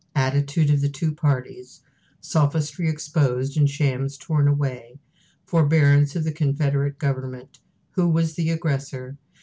Attitude of the Two Parties. Sophistry exposed and Shams torn away. Forbearance of the Confederate Government. Who was the Aggressor?